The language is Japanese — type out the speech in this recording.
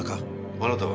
あなたは？